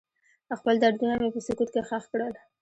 خپل دردونه مې په سکوت کې ښخ کړل.